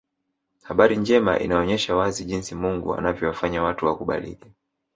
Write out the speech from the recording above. Habari njema inaonyesha wazi jinsi Mungu anavyowafanya watu wakubalike